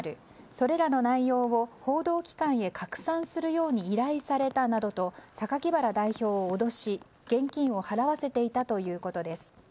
それらの内容を報道機関へ拡散するように依頼されたなどと榊原代表を脅し現金を払わせていたということです。